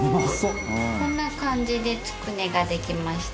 こんな感じでつくねができました。